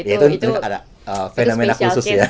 itu adalah fenomena khusus ya